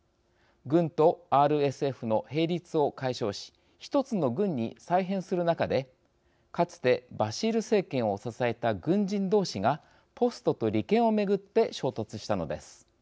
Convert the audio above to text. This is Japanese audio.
軍とＲＳＦの並立を解消し１つの軍に再編する中でかつてバシール政権を支えた軍人同士がポストと利権を巡って衝突したのです。